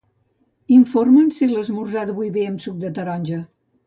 Informa'm si l'esmorzar d'avui ve amb suc de taronja.